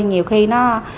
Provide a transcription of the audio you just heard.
nhiều khi nó